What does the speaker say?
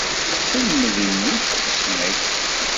Selmed i mmi-k tusnakt.